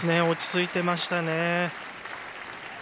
落ち着いていましたね。